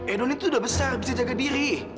edo ini tuh udah besar bisa jaga diri